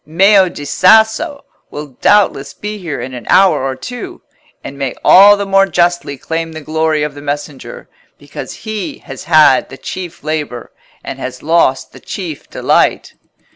Meo di Sasso will doubtless be here in an hour or two, and may all the more justly claim the glory of the messenger, because he has had the chief labour and has lost the chief delight."